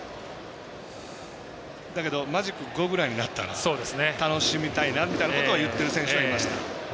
だけどマジック５ぐらいになったら楽しみたいな、みたいなことを言っている選手もいました。